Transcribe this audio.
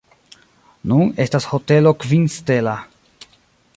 Nun estas Hotelo kvin stela.